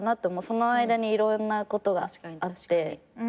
その間にいろんなことがあって。